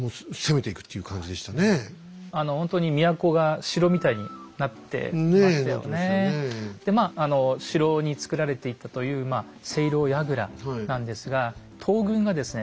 あのほんとにまああの城に造られていたという井楼やぐらなんですが東軍がですね